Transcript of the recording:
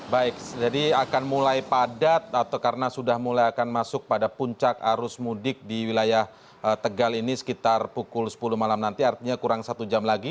baik jadi akan mulai padat atau karena sudah mulai akan masuk pada puncak arus mudik di wilayah tegal ini sekitar pukul sepuluh malam nanti artinya kurang satu jam lagi